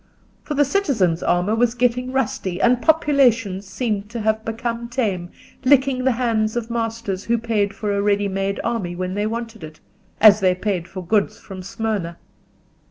For the citizens' armour was getting rusty, and populations seemed to have become tame, licking the hands of masters who paid for a ready made army when they wanted it, as they paid for goods of Smyrna.